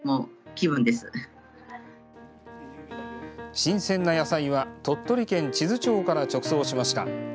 新鮮な野菜は鳥取県智頭町から直送しました。